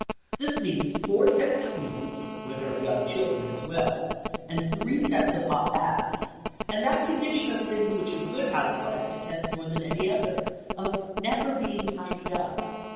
This means four sets of meals (where there are young children as well), and three sets of hot baths, and that condition of things which a good housewife detests more than any other, of never being "tidied up."